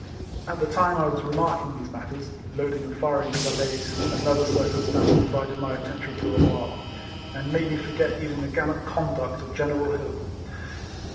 At the time I was remarking these mat ters (loading and firing as I lay), another circumstance divided my attention for a while, and made me forget even the gallant conduct of General Hill.